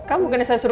ini kenapa asgara